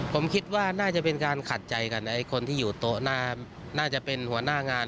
ผมคิดว่าน่าจะเป็นการขัดใจกันไอ้คนที่อยู่โต๊ะน่าจะเป็นหัวหน้างาน